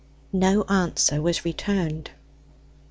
No answer was returned.